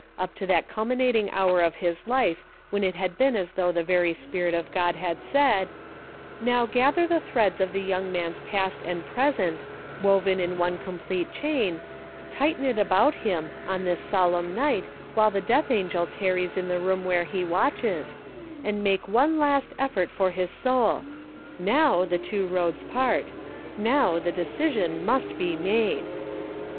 325 up to that culminating hour of his life when it had been as though the very spirit of God had said, " Now gather the threads of the young man's past and present, woven in one complete chain, tighten it about him on this solemn night while the death angel tarries in the room where he watches, and make one last effort for his soul ; now the two roads part ; now the decision must be made."